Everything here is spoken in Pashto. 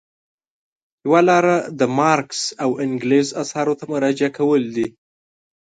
یوه لاره د مارکس او انګلز اثارو ته مراجعه کول دي.